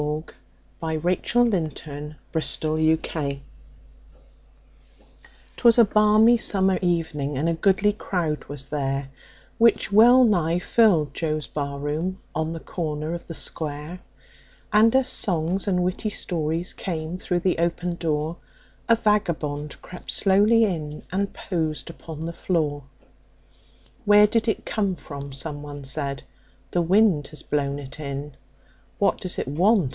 W X . Y Z The Face on the Barroom Floor 'TWAS a balmy summer evening, and a goodly crowd was there, Which well nigh filled Joe's barroom, on the corner of the square; And as songs and witty stories came through the open door, A vagabond crept slowly in and posed upon the floor. "Where did it come from?" someone said. " The wind has blown it in." "What does it want?"